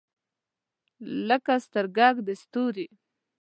لکه سترګګ د ستوری